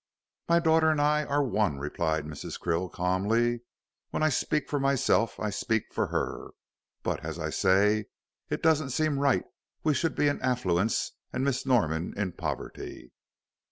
"My daughter and I are one," replied Mrs. Krill, calmly; "when I speak for myself, I speak for her. But, as I say, it doesn't seem right we should be in affluence and Miss Norman in poverty.